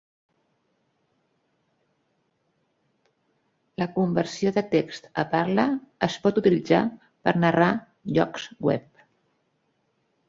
La conversió de text a parla es pot utilitzar per narrar llocs web.